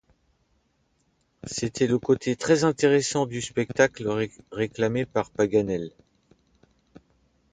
C’était le côté très-intéressant du spectacle réclamé par Paganel.